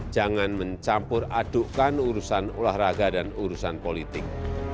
jangan mencampur adukkan urusan olahraga dan urusan politik